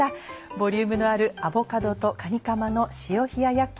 ボリュームのある「アボカドとかにかまの塩冷ややっこ」。